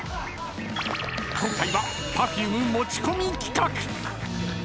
［今回はＰｅｒｆｕｍｅ持ち込み企画！］